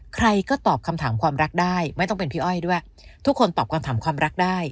ใครก็ตอบคำถามความรักได้ไม่ต้องเป็นพี่อ้อยด้วยทุกคนตอบคำถามความรักได้